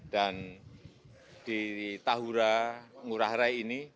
dan di tahura ngurah rai ini